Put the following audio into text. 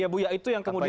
ya bu ya itu yang kemudian